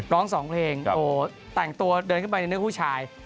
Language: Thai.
ร้องสองเพลงแต่งตัวเดินขึ้นไปในเนื้อผู้ชาย